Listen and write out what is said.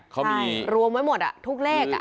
ใช่รวมไว้หมดอ่ะทุกเลข